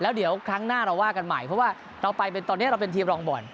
แล้วเดี๋ยวครั้งหน้าเราว่ากันใหม่เพราะว่าเราไปเป็นตอนนี้เราเป็นทีมรองบอล